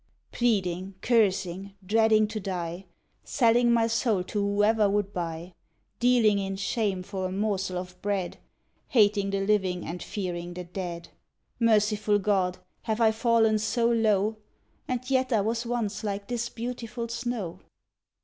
Pleading, Cursing, Dreading to die, Selling my soul to whoever would buy, Dealing in shame for a morsel of bread, Hating the living and fearing the dead. Merciful God! have I fallen so low? And yet I was once like this beautiful snow!